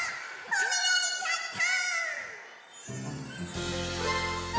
ほめられちゃった！